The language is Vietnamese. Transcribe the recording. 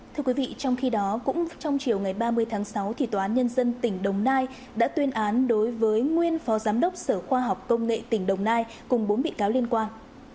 thưa quý vị trong khi đó cũng trong chiều ngày ba mươi tháng sáu thì tòa án nhân dân tỉnh đồng nai đã tuyên án đối với nguyên phó giám đốc sở khoa học công nghệ tỉnh đồng nai cùng bốn bị cáo liên quan